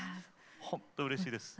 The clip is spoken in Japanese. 本当にうれしいです。